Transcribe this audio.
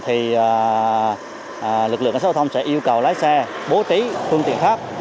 thì lực lượng cảnh sát giao thông sẽ yêu cầu lái xe bố trí phương tiện khác